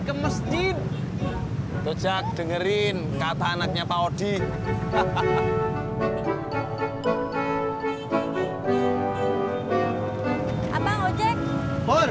ke masjid rujak dengerin kata anaknya pak odi hahaha apa ngomong ngomong rezeki nggak boleh